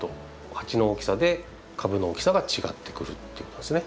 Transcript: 鉢の大きさで株の大きさが違ってくるということですね。